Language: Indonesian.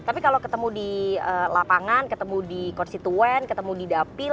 tapi kalau ketemu di lapangan ketemu di konstituen ketemu di dapil